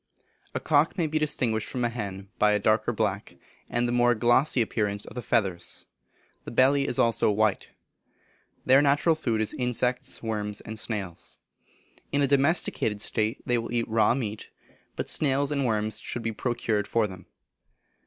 A cock may be distinguished from a hen by a darker back, and the more glossy appearance of the feathers. The belly also is white. Their natural food is insects, worms, and snails. In a domesticated state they will eat raw meat, but snails and worms should be procured for them.